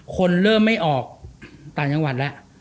คนเริ่มไม่ออกต่างจังหวัดแล้ว